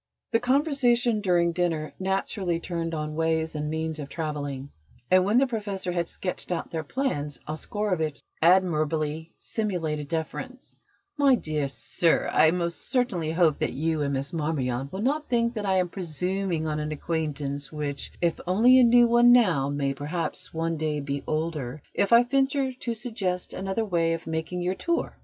The conversation during dinner naturally turned on ways and means of travelling, and, when the Professor had sketched out their plans, Oscarovitch said with an admirably simulated deference: "My dear sir, I most sincerely hope that you and Miss Marmion will not think that I am presuming on an acquaintance which, if only a new one now, may perhaps one day be older, if I venture to suggest another way of making your tour.